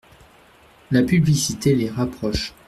La publicité les rapproche.